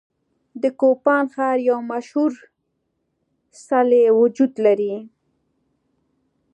د کوپان ښار یو مشهور څلی وجود لري.